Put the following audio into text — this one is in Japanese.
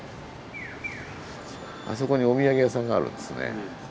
あそこにお土産屋さんがあるんですね。